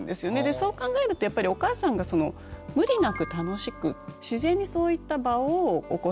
そう考えるとやっぱりお母さんがその無理なく楽しく自然にそういった場をお子さんに提供できたっていう。